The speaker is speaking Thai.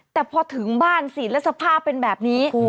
แต่พอถึงบ้านสิแล้วสภาพเป็นแบบนี้